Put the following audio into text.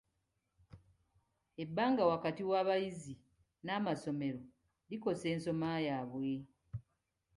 Ebbanga wakati w'abayizi n'amasomero likosa ensoma yaabwe.